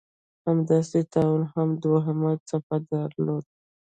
همداسې طاعون هم دوهمه څپه درلوده.